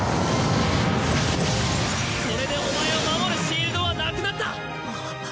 これでお前を守るシールドはなくなった。